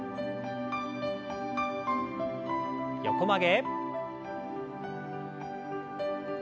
横曲げ。